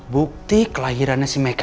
bukti kelahirannya si meka